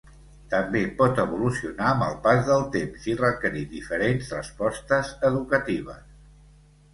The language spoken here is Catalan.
També pot evolucionar amb el pas del temps i requerir diferents respostes educatives.